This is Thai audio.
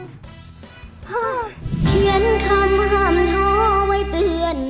เขียนคำห่ำท้อไว้เตือน